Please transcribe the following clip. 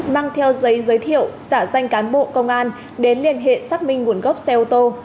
mang theo giấy giới thiệu giả danh cán bộ công an đến liên hệ xác minh nguồn gốc xe ô tô